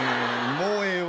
もうええわ。